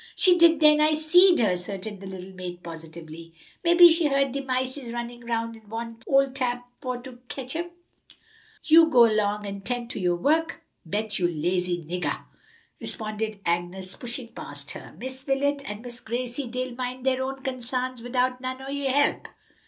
"She did den, I seed her," asserted the little maid positively. "Mebbe she heerd de mices runnin' 'round an want ole Tab for to ketch 'em." "You go 'long and 'tend to yo' wuk. Bet, you lazy niggah," responded Agnes, pushing past her. "Miss Wilet an Miss Gracie dey'll min' dere own consarns widout none o' yo' help."